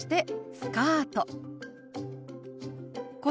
「スカート」。